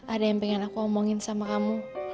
ada yang pengen aku omongin sama kamu